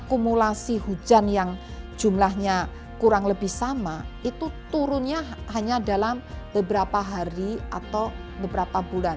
akumulasi hujan yang jumlahnya kurang lebih sama itu turunnya hanya dalam beberapa hari atau beberapa bulan